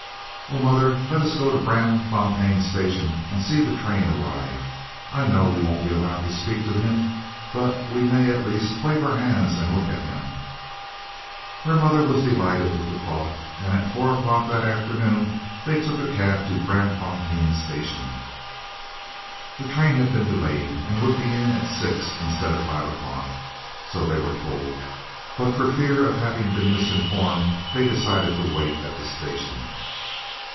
"Oh, mother, let us go to the Braamfontein Station and see the train arrive. I know we won't be allowed to speak to him, but we may at least wave our hands and look at him." Her mother was delighted with the thought, and at 4 o'clock that afternoon they took a cab to Braamfontein Station. The train had been delayed, and would be in at 6 instead of 5 o'clock, so they were told, but, for fear of having been misinformed, they decided to wait at the station.